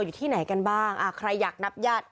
อยู่ที่ไหนกันบ้างอ่าใครอยากนับญาติ